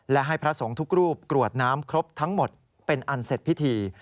และให้พระสงฆ์ทุกรูปกรวดน้ำครบทั้งหมดเป็นอันเสร็จพิธี